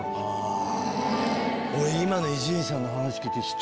あ！